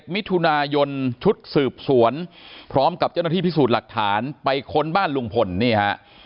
มิถุนายนชุดสืบสวนพร้อมกับเจ้าหน้าที่พิสูจน์หลักฐานไปค้นบ้านลุงพลนี่ฮะ